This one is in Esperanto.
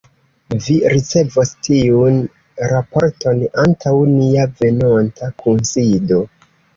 Vi ricevos tiun raporton antaŭ nia venonta kunsido.